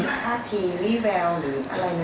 มีค่าทีรีเวลหรืออะไรหนึ่ง